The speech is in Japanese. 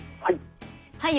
はい。